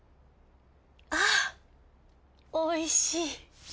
あおいしい。